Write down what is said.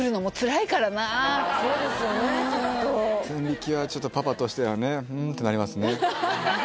きっと線引きはちょっとパパとしてはね「ん」ってなりますね